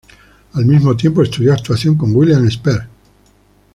Al mismo tiempo, estudió actuación con William Esper.